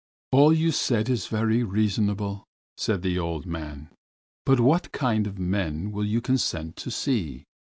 "All you say is very reasonable," said the old man, "but what kind of men will you consent to see?